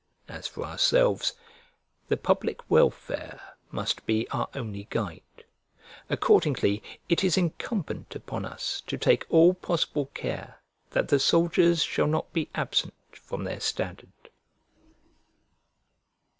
As for ourselves, the public welfare must be our only guide: accordingly it is incumbent upon us to take all possible care that the soldiers shall not be absent from their standard.